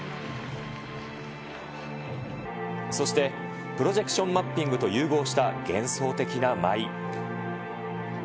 そしてプロジェクションマッピングと融合した幻想的な舞い。